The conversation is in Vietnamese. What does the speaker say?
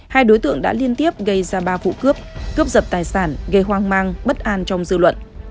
hai đối tượng đã liên tiếp gây ra ba vụ cướp cướp giật tài sản gây hoang mang bất an trong dư luận